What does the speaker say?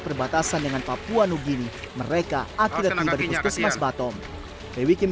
perbatasan dengan papua nugini mereka akhir akhirnya di puskesmas batom lewi kim